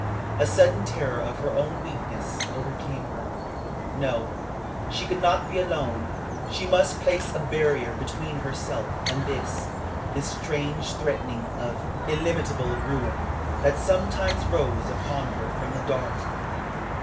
A sudden terror of her own weakness overcame her. No, she could not be alone. She must place a barrier between herself and this this strange threatening of illimitable ruin that sometimes rose upon her from the dark.